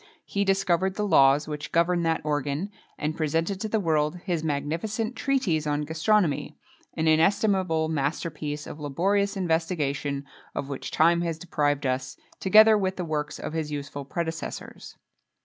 He discovered the laws which govern that organ, and presented to the world his magnificent treatise on gastronomy[XXII 16] an inestimable master piece of laborious investigation of which time has deprived us, together with the works of his useful predecessors.